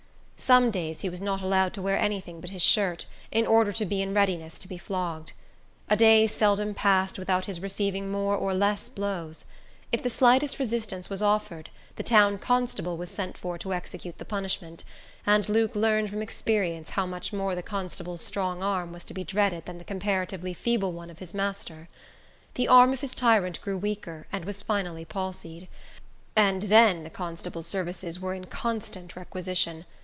Some days he was not allowed to wear any thing but his shirt, in order to be in readiness to be flogged. A day seldom passed without his receiving more or less blows. If the slightest resistance was offered, the town constable was sent for to execute the punishment, and Luke learned from experience how much more the constable's strong arm was to be dreaded than the comparatively feeble one of his master. The arm of his tyrant grew weaker, and was finally palsied; and then the constable's services were in constant requisition.